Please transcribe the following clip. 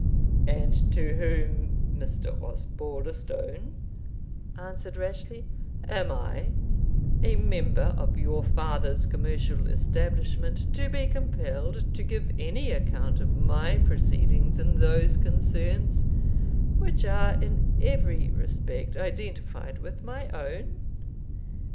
"And to whom, Mr. Osbaldistone," answered Rashleigh, "am I, a member of your father's commercial establishment, to be compelled to give any account of my proceedings in those concerns, which are in every respect identified with my own?